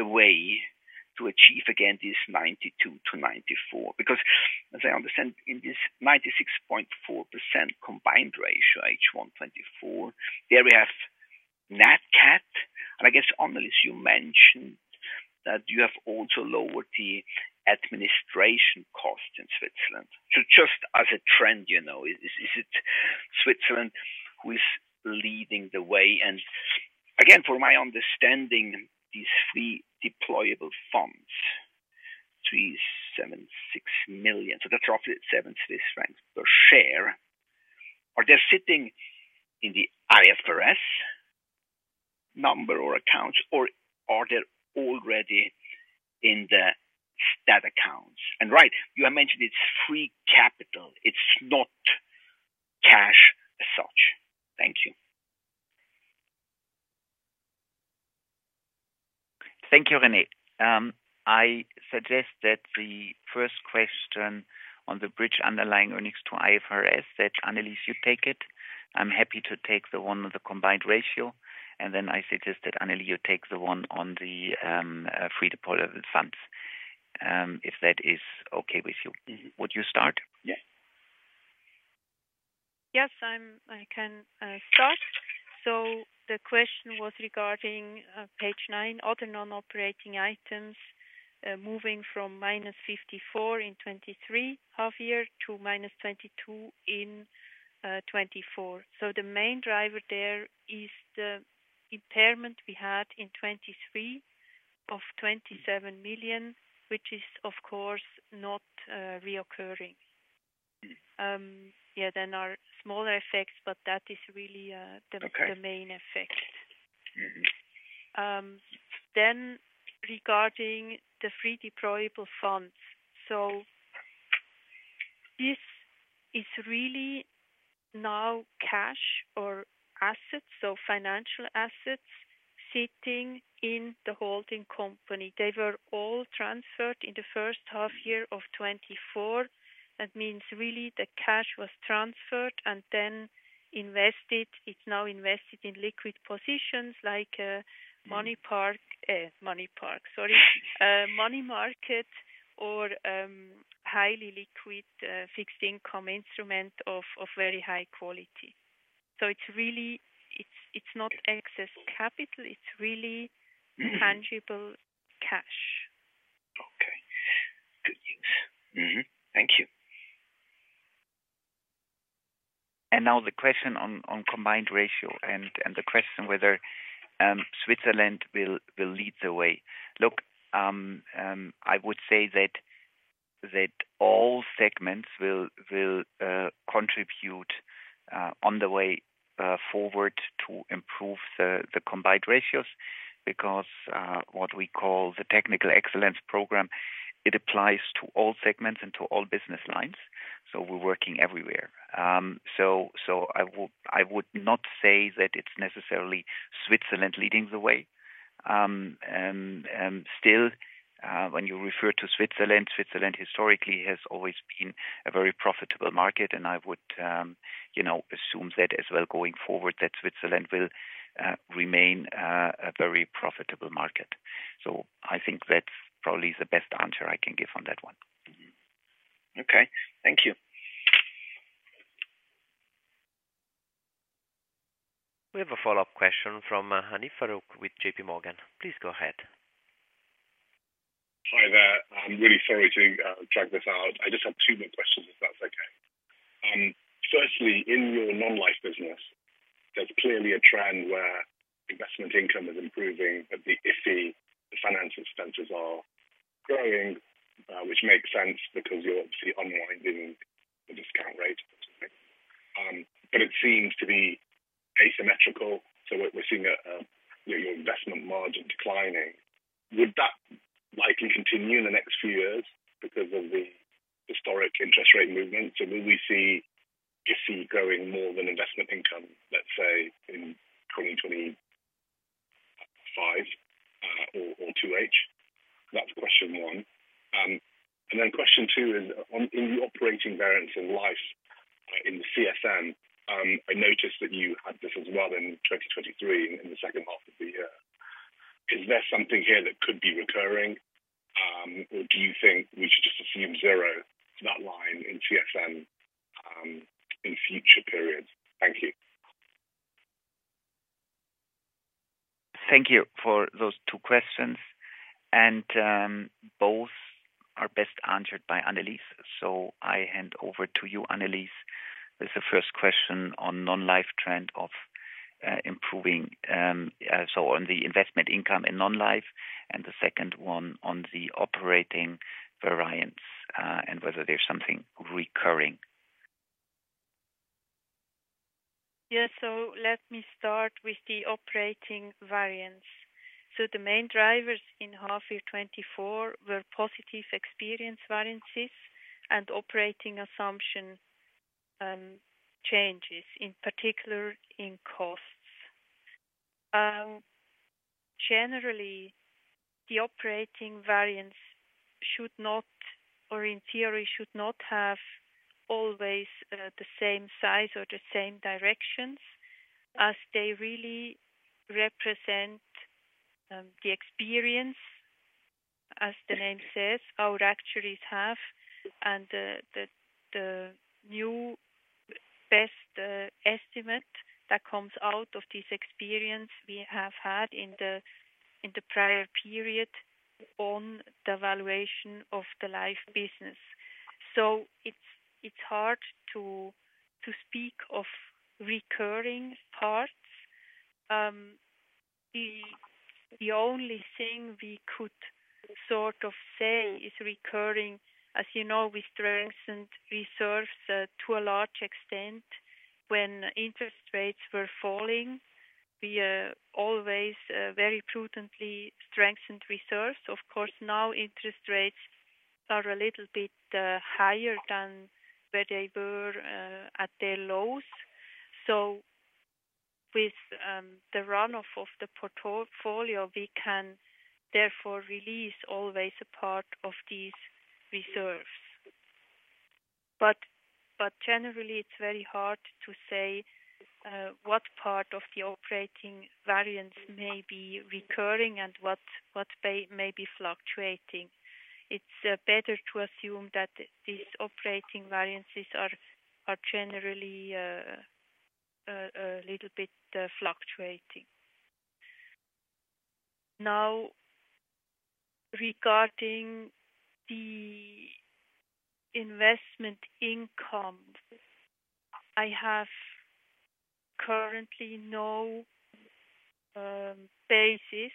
the way to achieve again, this 92%-94%? Because as I understand, in this 96.4% combined ratio, H1 2024, there we have Nat Cat, and I guess, Annelies, you mentioned that you have also lowered the administration cost in Switzerland. So just as a trend, you know, is it Switzerland who is leading the way? And again, from my understanding, these free deployable funds-... million. So that's roughly 7 Swiss francs per share. Are they sitting in the IFRS number or accounts, or are they already in the stat accounts? And right, you have mentioned it's free capital. It's not cash as such. Thank you. Thank you, René. I suggest that the first question on the bridge underlying earnings to IFRS, that Annelies, you take it. I'm happy to take the one with the combined ratio, and then I suggest that, Annelies, you take the one on the free deployable funds. If that is okay with you. Would you start? Yes. Yes, I can start. So the question was regarding page nine, other non-operating items moving from -54 in 2023 half year to -22 in 2024. So the main driver there is the impairment we had in 2023 of 27 million, which is, of course, not recurring. Then other smaller effects, but that is really the- Okay. - the main effect. Mm-hmm. Then regarding the Free Deployable Funds. So this is really now cash or assets, so financial assets sitting in the holding company. They were all transferred in the first half year of 2024. That means really the cash was transferred and then invested. It's now invested in liquid positions like money market or highly liquid fixed income instrument of very high quality. So it's really. It's not excess capital, it's really- Mm-hmm. - tangible cash. Okay. Good news. Mm-hmm, thank you. Now the question on combined ratio and the question whether Switzerland will lead the way. Look, I would say that all segments will contribute on the way forward to improve the combined ratios, because what we call the technical excellence program, it applies to all segments and to all business lines, so we're working everywhere. I would not say that it's necessarily Switzerland leading the way. Still, when you refer to Switzerland, Switzerland historically has always been a very profitable market, and I would, you know, assume that as well, going forward, that Switzerland will remain a very profitable market. I think that's probably the best answer I can give on that one. Mm-hmm. Okay. Thank you. We have a follow-up question from Hanif Farooq with J.P. Morgan. Please go ahead. Hi there. I'm really sorry to drag this out. I just have two more questions, if that's okay. Firstly, in your non-life business, there's clearly a trend where investment income is improving, but the IFRS, the financial expenses are growing, which makes sense because you're obviously unwinding the discount rates. But it seems to be asymmetrical, so we're seeing your investment margin declining. Would that likely continue in the next few years because of the historic interest rate movement? So will we see IFRS growing more than investment income, let's say, in 2025, or 2H? That's question one. And then question two is on the operating variance in life, in the CSM. I noticed that you had this as well in 2023, in the second half of the year. Is there something here that could be recurring, or do you think we should just assume zero, that line in CSM, in future periods? Thank you. Thank you for those two questions, and both are best answered by Annelies. So I hand over to you, Annelies, with the first question on non-life trend of improving, so on the investment income in non-life, and the second one on the operating variance, and whether there's something recurring. Yeah. So let me start with the operating variance. So the main drivers in half year 2024 were positive experience variances and operating assumption changes, in particular in costs. Generally, the operating variance should not or in theory, should not have always the same size or the same directions as they really represent the experience, as the name says, our actuaries have, and the new best estimate that comes out of this experience we have had in the prior period on the valuation of the life business. So it's hard to speak of recurring parts. The only thing we could sort of say is recurring, as you know, we strengthened reserves to a large extent. When interest rates were falling, we always very prudently strengthened reserves. Of course, now interest rates are a little bit higher than where they were at their lows. So with the runoff of the portfolio, we can therefore release always a part of these reserves. But generally, it's very hard to say what part of the operating variance may be recurring and what may be fluctuating. It's better to assume that these operating variances are generally a little bit fluctuating. Now, regarding the investment income, I have currently no basis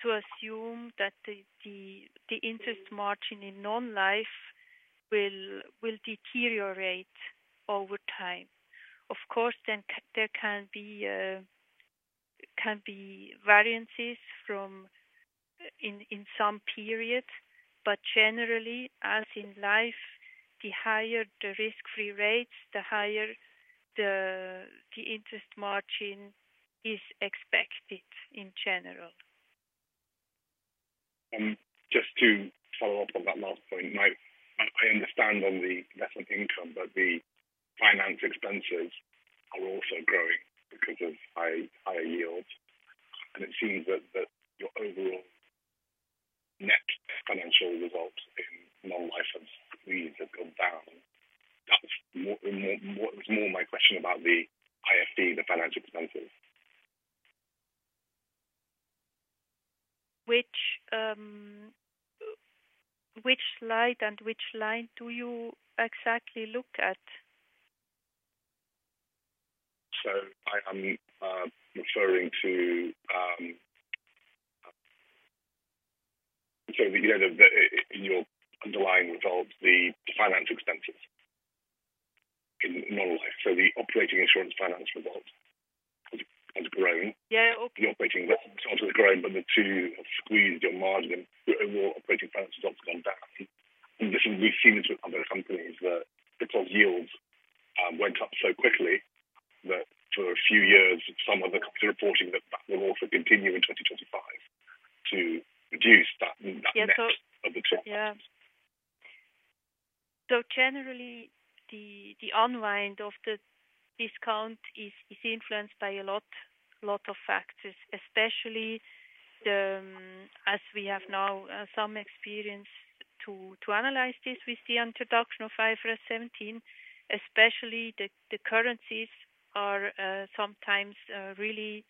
to assume that the interest margin in non-life will deteriorate over time. Of course, then there can be variances from in some period, but generally, as in life, the higher the risk-free rates, the higher the interest margin is expected in general. Just to follow up on that last point, my, I understand on the investment income, but the finance expenses are also growing because of higher yields. And it seems that your overall net financial results in non-life have squeezed and gone down. That was more my question about the IFRS, the financial expenses. Which slide and which line do you exactly look at? I am referring to, you know, in your underlying results, the insurance finance expenses in non-life. The operating insurance finance results has grown. Yeah. The operating results on the ground, but the two have squeezed your margin and your overall operating finances have gone down, and this we've seen this with other companies, that because yields went up so quickly, that for a few years, some of the companies are reporting that that will also continue in 2025 to reduce that, that net of the- Yeah. So generally, the unwind of the discount is influenced by a lot of factors, especially, as we have now some experience to analyze this with the introduction of IFRS 17, especially the currencies are sometimes really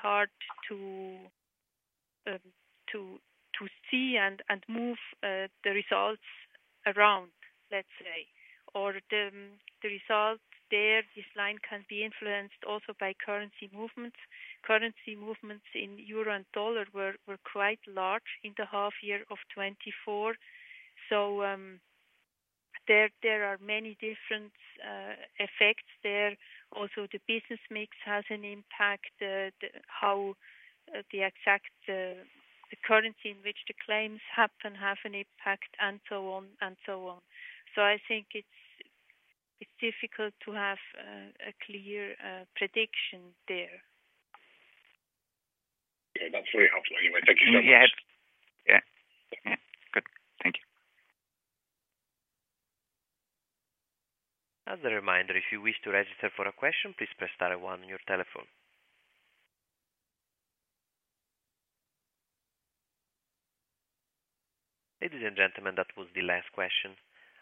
hard to see and move the results around, let's say, or the results there. This line can be influenced also by currency movements. Currency movements in euro and dollar were quite large in the half year of 2024. So, there are many different effects there. Also, the business mix has an impact, the, how the exact, the currency in which the claims happen have an impact, and so on and so on. So I think it's difficult to have a clear prediction there. Yeah, that's very helpful anyway. Thank you so much. Yeah. Yeah. Good. Thank you. As a reminder, if you wish to register for a question, please press star one on your telephone. Ladies and gentlemen, that was the last question.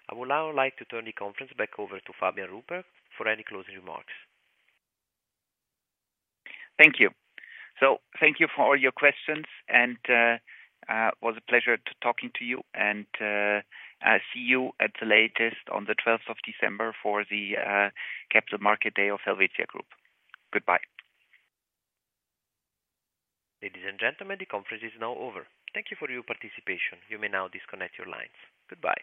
I would now like to turn the conference back over to Fabian Rupprecht for any closing remarks. Thank you. So thank you for all your questions and, it was a pleasure talking to you, and, I'll see you at the latest on the 12th of December for the Capital Markets Day of Helvetia Group. Goodbye. Ladies and gentlemen, the conference is now over. Thank you for your participation. You may now disconnect your lines. Goodbye.